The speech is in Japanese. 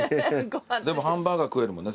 でもハンバーガー食えるもんね